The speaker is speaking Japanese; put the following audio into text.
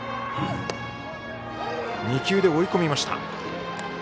２球で追い込みました。